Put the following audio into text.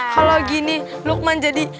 kalo gini lukman jadi